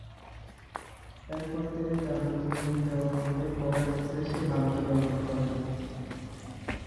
এরপর তিনি দারুল উলুম দেওবন্দে পড়ার উদ্দেশ্যে ভারতে গমন করেন।